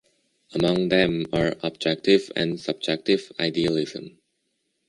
Among them are objective and subjective idealism.